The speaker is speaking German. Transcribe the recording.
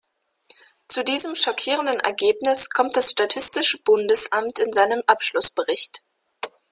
Zu diesem schockierenden Ergebnis kommt das statistische Bundesamt in seinem Abschlussbericht.